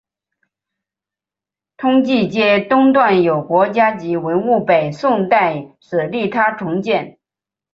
通济街东段有国家级文物北宋代舍利塔重建。